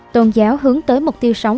tôn giáo hướng tới mục tiêu sống